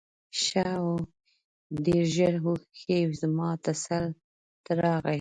ښه و ډېر ژر اوښکې زما تسل ته راغلې.